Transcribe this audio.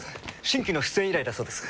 新規の出演依頼だそうです。